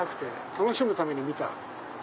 楽しむために見た。